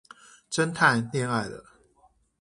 偵探戀愛了